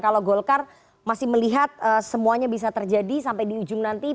kalau golkar masih melihat semuanya bisa terjadi sampai di ujung nanti